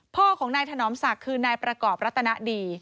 พ่อของนายถนอมศักดิ์คือนายประกอบรัตนดี